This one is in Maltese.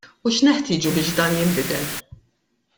U x'neħtieġu biex dan jinbidel?